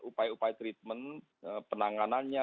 upaya upaya treatment penanganannya